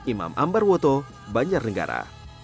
imam ambar woto banjarnegara